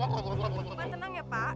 aku kejamnya bunda tenang ya pak